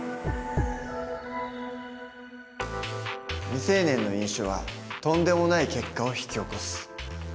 未成年の飲酒はとんでもない結果を引き起こす。